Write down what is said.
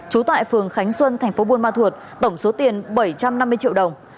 chú tại phường khánh xuân tp buôn ma thuột tổng số tiền bảy trăm năm mươi triệu đồng